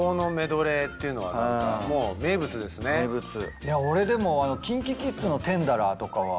いや俺でもＫｉｎＫｉＫｉｄｓの『＄１０』とかは。